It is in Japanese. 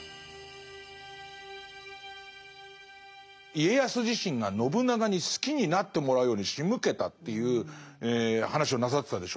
家康自身が信長に好きになってもらうようにしむけたという話をなさってたでしょう。